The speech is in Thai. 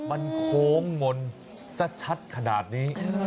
มันโคววมมนตร์ชัดขนาดนี้